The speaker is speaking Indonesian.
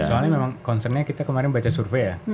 soalnya memang concernnya kita kemarin baca survei ya